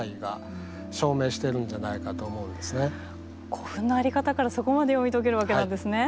古墳のあり方からそこまで読み解けるわけなんですね。